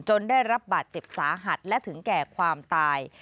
ได้รับบาดเจ็บสาหัสและถึงแก่ความตาย